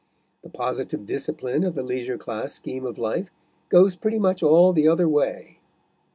The positive discipline of the leisure class scheme of life goes pretty much all the other way.